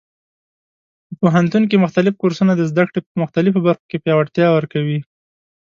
په پوهنتون کې مختلف کورسونه د زده کړې په مختلفو برخو کې پیاوړتیا ورکوي.